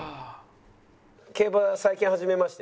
「競馬最近始めまして」